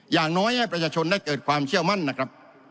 อย่างน้อยให้ประชาชนได้เกิดความเชื่อมั่นนะครับ